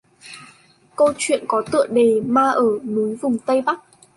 Câu chuyện có tựa đề là Ma ở vùng núi Tây Bắc